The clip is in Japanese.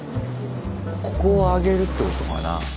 ここを上げるってことかな？